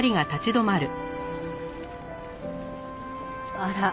あら。